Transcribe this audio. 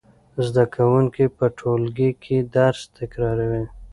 زده کوونکي په ټولګي کې درس تکراروي.